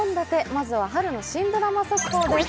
まずは春の新ドラマ速報です。